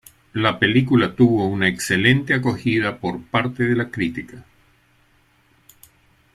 La película tuvo una excelente acogida por parte de la crítica.